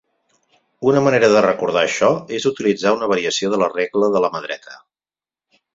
Una manera de recordar això és utilitzar una variació de la regla de mà la dreta.